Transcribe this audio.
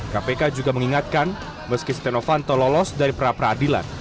kpk juga mengingatkan meski setia novanto lolos dari perapradilan